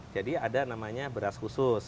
jadi ada namanya beras khusus